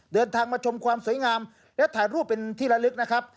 เดินทางมาชมความสวยงามและถ่ายรูปเป็นที่ละลึกนะครับ